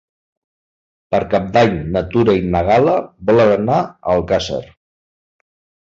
Per Cap d'Any na Tura i na Gal·la volen anar a Alcàsser.